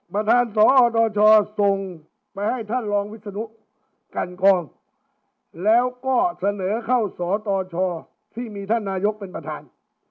ประธานสอตชส่งไปให้ท่านรองวิศนุกันกองแล้วก็เสนอเข้าสตชที่มีท่านนายกเป็นประธาน